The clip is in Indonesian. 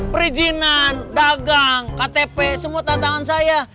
perizinan dagang ktp semua tantangan saya